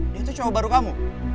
dia itu cowok baru kamu